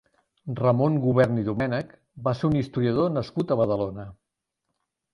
Ramon Gubern i Domènech va ser un historiador nascut a Badalona.